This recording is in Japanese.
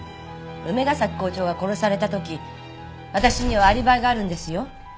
梅ヶ崎校長が殺された時私にはアリバイがあるんですよ。